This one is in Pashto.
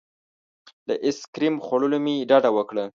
له ایس کریم خوړلو مې ډډه وکړه.